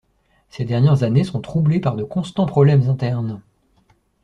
Ses dernières années sont troublées par de constants problèmes internes.